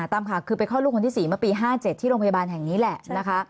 ตามข่าวคือไปคลอดลูกคนที่๔เมื่อปี๕๗ที่โรงพยาบาลแห่งนี้แหละนะคะ